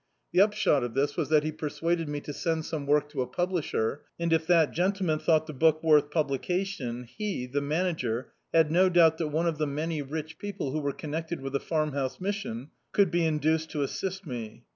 The upshot of this was that he persuaded me to send some work to a publisher, and if that gentleman thought the book worth pub lication, he, the Manager, had no doubt that one of the many rich people who were connected with the Farmhouse Mission could be induced to assist me.